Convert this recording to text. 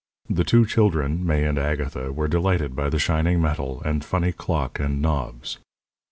The two children, May and Agatha, were delighted by the shining metal and funny clock and knobs.